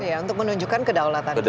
iya untuk menunjukkan kedaulatan negara